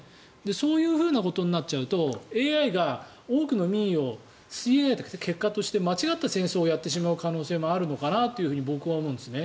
そういうことになっちゃうとＡＩが多くの民意を吸い上げた結果として間違った戦争をやってしまう可能性はあるのかなと僕は思うんですね。